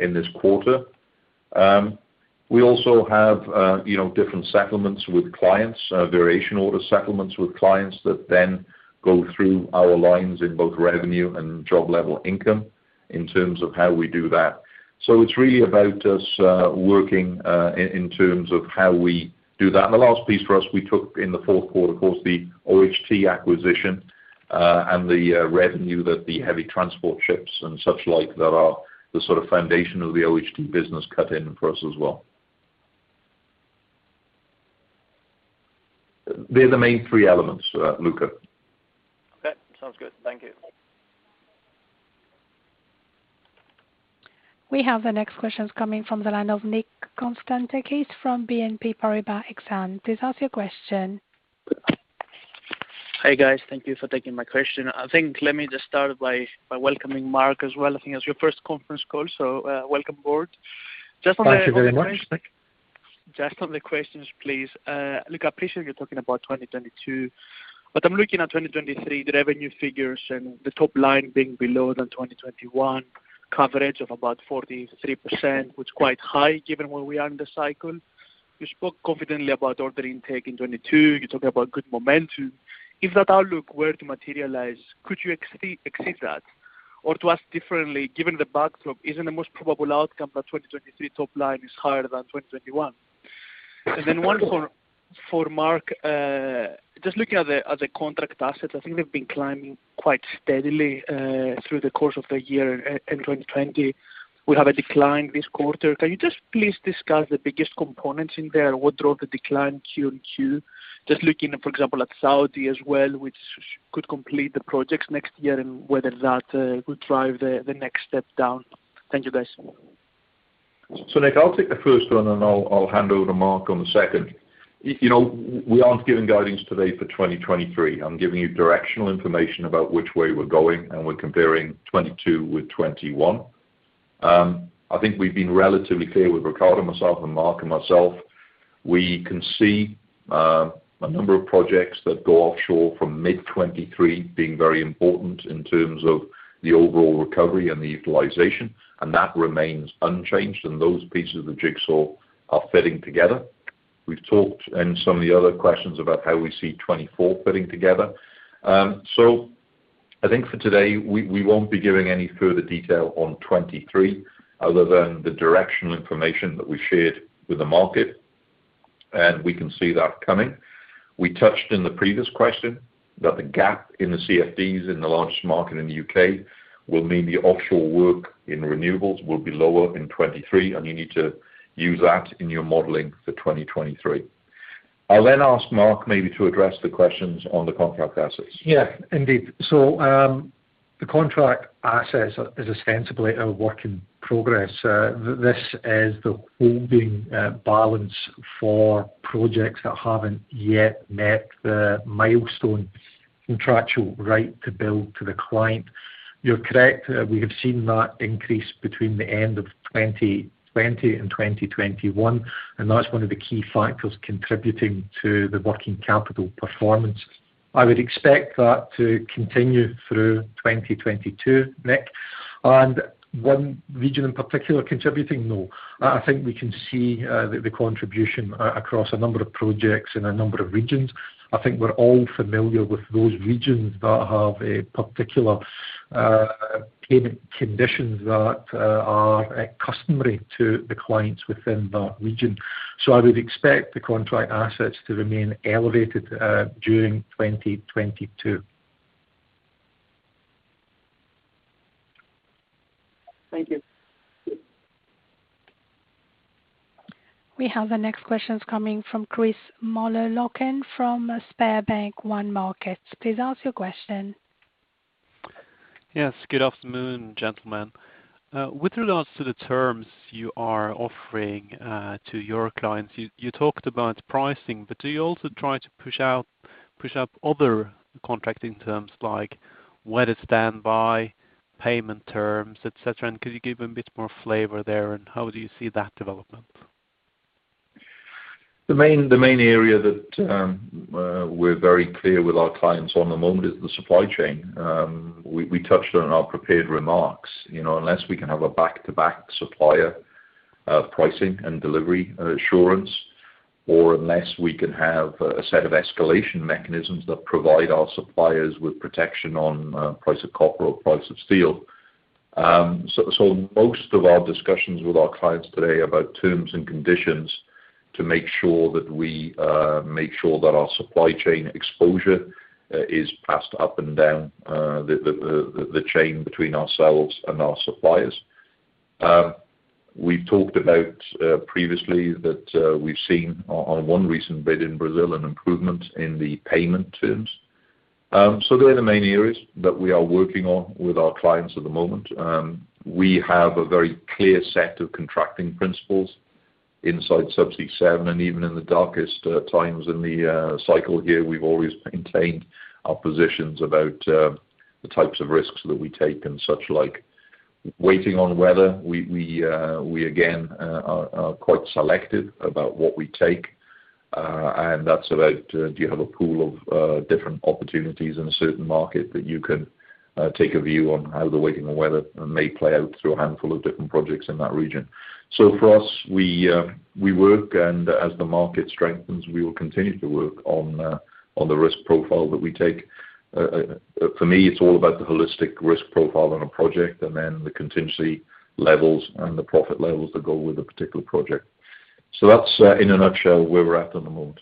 in this quarter. We also have, you know, different settlements with clients, variation order settlements with clients that then go through our lines in both revenue and job level income in terms of how we do that. It's really about us working in terms of how we do that. The last piece for us, we took in the fourth quarter, of course, the OHT acquisition, and the revenue that the heavy transport ships and such like that are the sort of foundation of the OHT business kicked in for us as well. They're the main three elements, Lukas Stål. Okay, sounds good. Thank you. We have the next questions coming from the line of Nikolaos Konstantakis. He's from BNP Paribas Exane. Please ask your question. Hey, guys. Thank you for taking my question. I think let me just start by welcoming Mark as well. I think it's your first conference call, so welcome aboard. Just on the- Thank you very much, Nick. Just on the questions, please. Look, I appreciate you talking about 2022, but I'm looking at 2023, the revenue figures and the top line being below the 2021 coverage of about 43%, which is quite high given where we are in the cycle. You spoke confidently about order intake in 2022. You're talking about good momentum. If that outlook were to materialize, could you exceed that? Or to ask differently, given the backdrop, isn't the most probable outcome that 2023 top line is higher than 2021? One for Mark. Just looking at the contract assets, I think they've been climbing quite steadily through the course of the year. And in 2020, we have a decline this quarter. Can you just please discuss the biggest components in there? What drove the decline quarter-over-quarter? Just looking, for example, at Saudi as well, which could complete the projects next year and whether that would drive the next step down. Thank you, guys. Nick, I'll take the first one, and I'll hand over to Mark on the second. You know, we aren't giving guidance today for 2023. I'm giving you directional information about which way we're going, and we're comparing 2022 with 2021. I think we've been relatively clear with Ricardo, myself, and Mark. We can see a number of projects that go offshore from mid-2023 being very important in terms of the overall recovery and the utilization, and that remains unchanged, and those pieces of the jigsaw are fitting together. We've talked in some of the other questions about how we see 2024 fitting together. I think for today, we won't be giving any further detail on 2023 other than the directional information that we shared with the market, and we can see that coming. We touched in the previous question that the gap in the CFDs in the largest market in the U.K. will mean the offshore work in renewables will be lower in 2023, and you need to use that in your modeling for 2023. I'll then ask Mark maybe to address the questions on the contract assets. Yeah. Indeed. The contract assets are ostensibly a work in progress. This is the holding balance for projects that haven't yet met the milestone contractual right to bill the client. You're correct. We have seen that increase between the end of 2020 and 2021, and that's one of the key factors contributing to the working capital performance. I would expect that to continue through 2022, Nick. One region in particular contributing? No. I think we can see the contribution across a number of projects in a number of regions. I think we're all familiar with those regions that have a particular payment conditions that are customary to the clients within that region. I would expect the contract assets to remain elevated during 2022. Thank you. We have the next questions coming from Kristoffer Møller-Løken from SpareBank 1 Markets. Please ask your question. Yes. Good afternoon, gentlemen. With regards to the terms you are offering to your clients, you talked about pricing, but do you also try to push up other contracting terms like whether standby, payment terms, et cetera? Could you give a bit more flavor there, and how do you see that development? The main area that we're very clear with our clients at the moment is the supply chain. We touched on our prepared remarks. You know, unless we can have a back-to-back supplier pricing and delivery assurance. Or unless we can have a set of escalation mechanisms that provide our suppliers with protection on price of copper or price of steel. Most of our discussions with our clients today about terms and conditions to make sure that we make sure that our supply chain exposure is passed up and down the chain between ourselves and our suppliers. We've talked about previously that we've seen on one recent bid in Brazil an improvement in the payment terms. They're the main areas that we are working on with our clients at the moment. We have a very clear set of contracting principles inside Subsea 7, and even in the darkest times in the cycle here, we've always maintained our positions about the types of risks that we take and such like. Waiting on weather, we again are quite selective about what we take. That's about do you have a pool of different opportunities in a certain market that you can take a view on how the waiting on weather may play out through a handful of different projects in that region. For us, we work, and as the market strengthens, we will continue to work on the risk profile that we take. For me, it's all about the holistic risk profile on a project and then the contingency levels and the profit levels that go with a particular project. That's, in a nutshell where we're at the moment.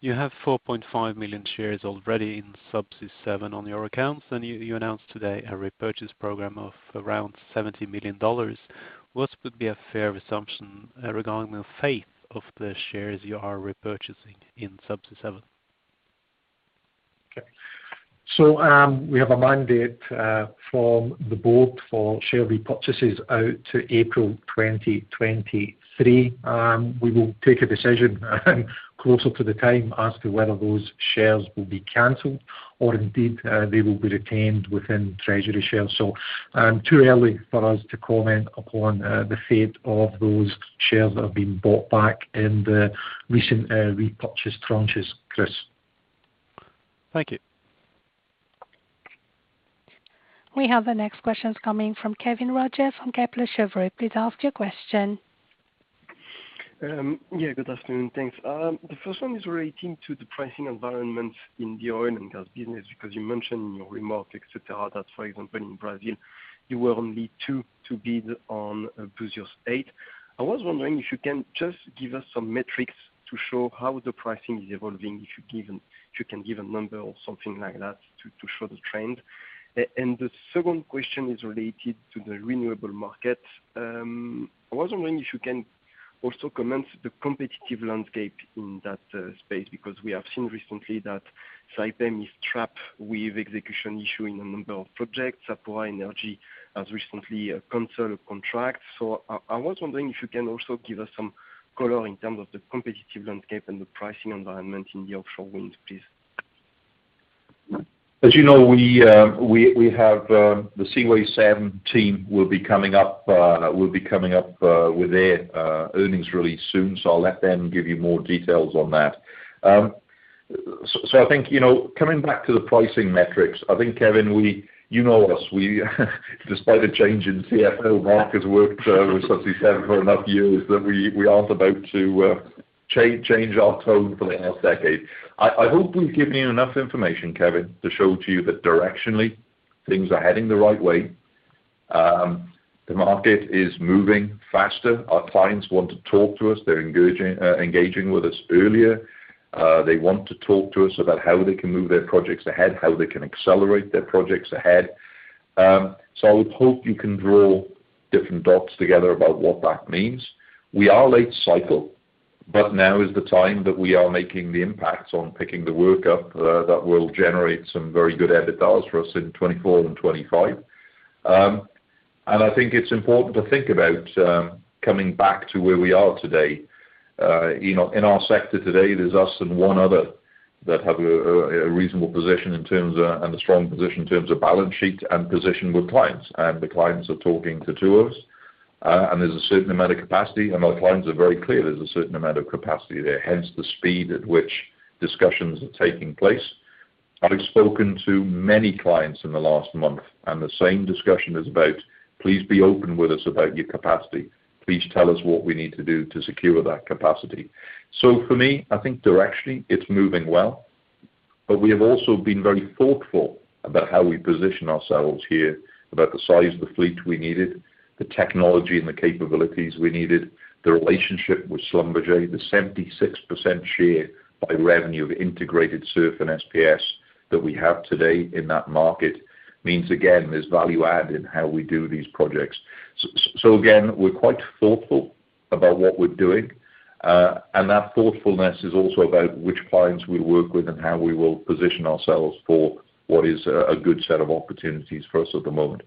You have 4.5 million shares already in Subsea 7 on your accounts, and you announced today a repurchase program of around $70 million. What would be a fair assumption regarding the fate of the shares you are repurchasing in Subsea 7? Okay. We have a mandate from the board for share repurchases out to April 2023. We will take a decision closer to the time as to whether those shares will be canceled or indeed they will be retained within treasury shares. Too early for us to comment upon the fate of those shares that have been bought back in the recent repurchase tranches, Kris. Thank you. We have the next questions coming from Kevin Roger from Kepler Cheuvreux. Please ask your question. Good afternoon. Thanks. The first one is relating to the pricing environment in the oil and gas business because you mentioned in your remarks, et cetera, that for example, in Brazil, you were only two to bid on Búzios 8. I was wondering if you can just give us some metrics to show how the pricing is evolving. If you can give a number or something like that to show the trend. The second question is related to the renewable market. I was wondering if you can also comment on the competitive landscape in that space, because we have seen recently that Saipem is trapped with execution issue in a number of projects. Sapura Energy has recently canceled a contract. I was wondering if you can also give us some color in terms of the competitive landscape and the pricing environment in the offshore wind, please? As you know, we have the Seaway 7 team will be coming up with their earnings really soon. I'll let them give you more details on that. I think, you know, coming back to the pricing metrics, I think, Kevin, you know us, we despite the change in CFO, Mark has worked for Subsea 7 for enough years that we aren't about to change our tone for the next decade. I hope we've given you enough information, Kevin, to show to you that directionally things are heading the right way. The market is moving faster. Our clients want to talk to us. They're engaging with us earlier. They want to talk to us about how they can move their projects ahead, how they can accelerate their projects ahead. I would hope you can draw different dots together about what that means. We are late cycle, but now is the time that we are making the impact on picking the work up that will generate some very good EBITDAs for us in 2024 and 2025. I think it's important to think about coming back to where we are today. You know, in our sector today, there's us and one other that have a reasonable position in terms of, and a strong position in terms of balance sheet and position with clients. The clients are talking to two of us. There's a certain amount of capacity, and our clients are very clear there's a certain amount of capacity there, hence the speed at which discussions are taking place. I've spoken to many clients in the last month, and the same discussion is about, "Please be open with us about your capacity. Please tell us what we need to do to secure that capacity." For me, I think directionally it's moving well, but we have also been very thoughtful about how we position ourselves here, about the size of the fleet we needed, the technology and the capabilities we needed, the relationship with Schlumberger, the 76% share by revenue of integrated SURF and SPS that we have today in that market means again, there's value add in how we do these projects. Again, we're quite thoughtful about what we're doing, and that thoughtfulness is also about which clients we work with and how we will position ourselves for what is a good set of opportunities for us at the moment.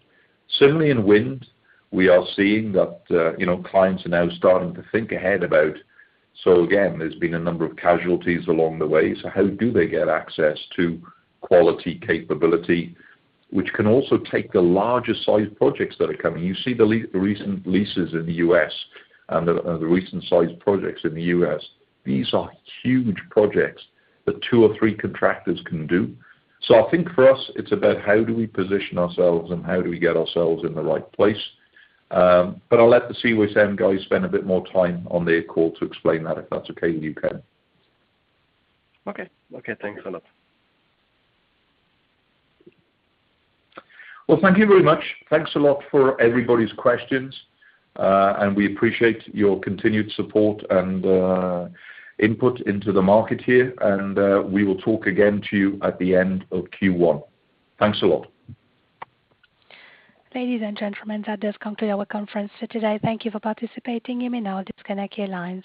Similarly in wind, we are seeing that, you know, clients are now starting to think ahead about, so again, there's been a number of casualties along the way. How do they get access to quality capability, which can also take the larger sized projects that are coming. You see the recent leases in the U.S. and the recent sized projects in the U.S. These are huge projects that two or three contractors can do. I think for us it's about how do we position ourselves and how do we get ourselves in the right place. I'll let the Seaway 7 guys spend a bit more time on their call to explain that, if that's okay with you, Kevin. Okay, thanks a lot. Well, thank you very much. Thanks a lot for everybody's questions, and we appreciate your continued support and input into the market here, and we will talk again to you at the end of Q1. Thanks a lot. Ladies and gentlemen, that does conclude our conference for today. Thank you for participating. You may now disconnect your lines.